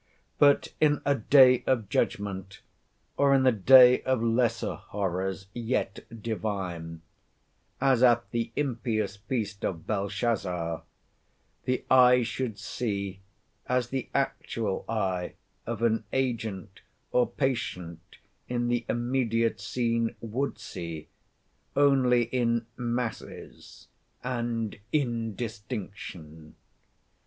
But in a "day of judgment," or in a "day of lesser horrors, yet divine," as at the impious feast of Belshazzar, the eye should see, as the actual eye of an agent or patient in the immediate scene would see, only in masses and indistinction.